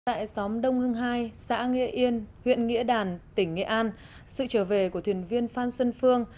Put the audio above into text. tại xóm đông hưng hai xã nghĩa yên huyện nghĩa đàn tỉnh nghệ an sự trở về của thuyền viên phan xuân phương